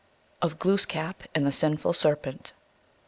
Of Glooskap and the Sinful Serpent.